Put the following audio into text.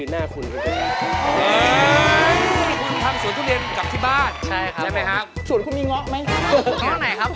ง้อไหนครับ